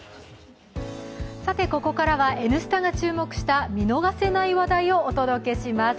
ここからは「Ｎスタ」が注目した見逃せない話題をお届けします。